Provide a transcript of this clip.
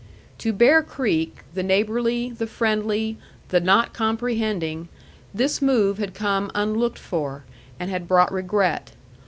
To Bear Creek, the neighborly, the friendly, the not comprehending, this move had come unlooked for, and had brought regret.